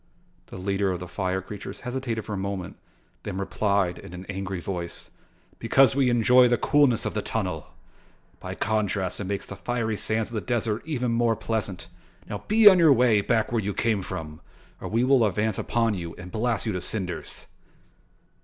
The leader of the fire creatures hesitated for a moment then replied in an angry voice: "Because we enjoy the coolness of the tunnel. By contrast it makes the fiery sands of the desert even more pleasant. Now, be on your way back where you came from or we will advance upon you and blast you to cinders."